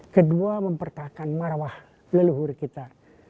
kedua mempertahankan marwah leluhur kita